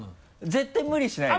絶対無理しないでよ？